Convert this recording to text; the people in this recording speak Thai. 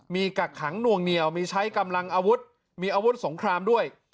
มีกักขังหน่วงเหนียวมีใช้กำลังอาวุธมีอาวุธสงครามด้วย